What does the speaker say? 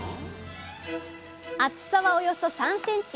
厚さはおよそ３センチ！